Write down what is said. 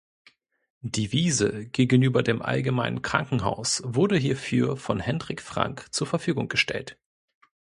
Die Wiese gegenüber dem Allgemeinen Krankenhaus wurde hierfür von Heinrich Franck zur Verfügung gestellt.